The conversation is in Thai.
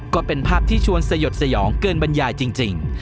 ก็เป็นภาพที่ชวนสยดสยองเกินบรรยายจริง